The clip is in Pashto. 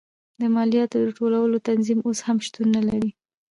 د مالیاتو د ټولولو تنظیم اوس هم شتون نه لري.